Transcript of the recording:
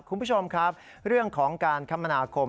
คุณผู้ชมครับเรื่องของการคมนาคม